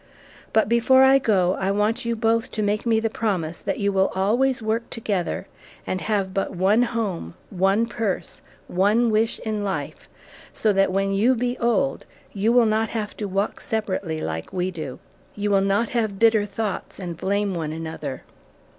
But before I go, I want you both to make me the promise that you will always work together, and have but one home, one purse, one wish in life, so that when you be old, you will not have to walk separately like we do. You will not have bitter thoughts and blame one another."